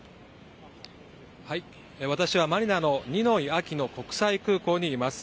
私はマニラのニノイ・アキノ国際空港にいます。